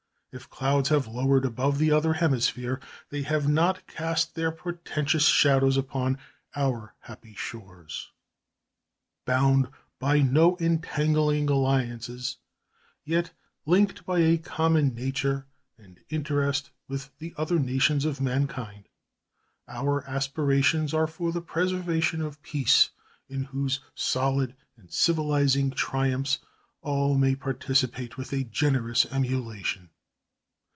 If clouds have lowered above the other hemisphere, they have not cast their portentous shadows upon our happy shores. Bound by no entangling alliances, yet linked by a common nature and interest with the other nations of mankind, our aspirations are for the preservation of peace, in whose solid and civilizing triumphs all may participate with a generous emulation.